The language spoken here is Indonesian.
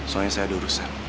soalnya saya ada urusan